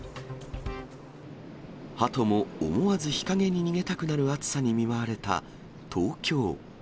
ハトも思わず日陰に逃げたくなる暑さに見舞われた東京。